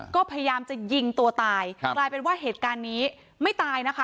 ก็พยายามจะยิงตัวตายกลายเป็นว่าเหตุการณ์นี้ไม่ตายนะคะ